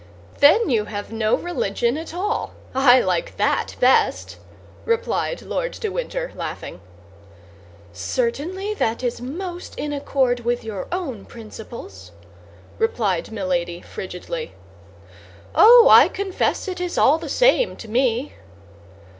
"Then you have no religion at all; I like that best," replied Lord de Winter, laughing. "Certainly that is most in accord with your own principles," replied Milady, frigidly. "Oh, I confess it is all the same to me."